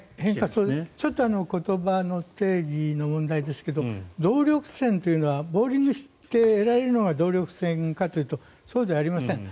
ちょっと言葉の定義の問題ですが動力泉というのはボーリングして得られるのが動力泉かというとそうではありません。